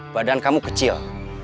badan kamu kecil